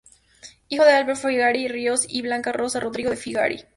Hijo de Alberto Figari Ríos y Blanca Rosa Rodrigo de Figari.